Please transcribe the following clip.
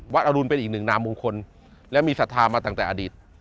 วัดอรุณเป็นอีกหนึ่งน้ำมงคลและมีสัธว์มาตั้งแต่อดีต